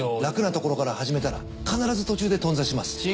楽なところから始めたら必ず途中で頓挫します。